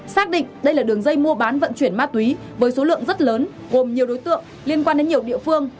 xác định đây là đường dây mua bán vận chuyển ma túy với số lượng rất lớn gồm nhiều đối tượng liên quan đến nhiều địa phương